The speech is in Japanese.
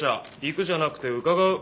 行くじゃなくて「伺う」。